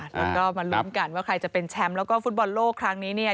แล้วก็มาลุ้นกันว่าใครจะเป็นแชมป์แล้วก็ฟุตบอลโลกครั้งนี้เนี่ย